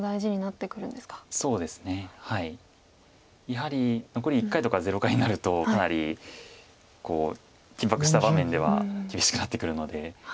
やはり残り１回とか０回になるとかなり緊迫した場面では厳しくなってくるので。